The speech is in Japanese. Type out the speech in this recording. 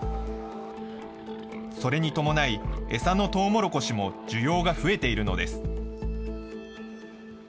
それに伴い、餌のトウモロコシも需要が増えているのです。